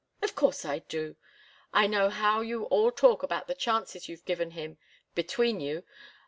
"Of course I do. I know how you all talk about the chances you've given him between you.